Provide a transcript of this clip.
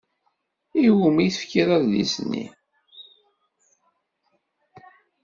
I wumi i tefkiḍ adlis-nni?